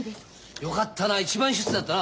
よかったな一番出世だったな。